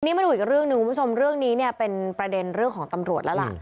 นี่มาดูอีกเรื่องหนึ่งคุณผู้ชมเรื่องนี้เนี่ยเป็นประเด็นเรื่องของตำรวจแล้วล่ะ